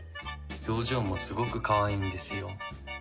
表情もすごく可愛いんですよ。